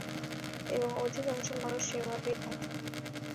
এবং অধিকাংশ মানুষ সেভাবেই থাকে।